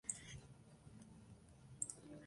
Eso es propio de la liturgia latina".